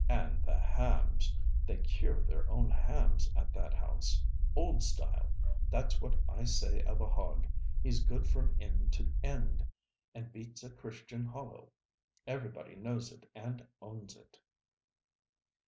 And the hams! They cure their own hams at that house. Old style! That's what I say of a hog. He's good from end to end, and beats a Christian hollow. Everybody knows it and owns it.'